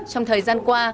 trong thời gian qua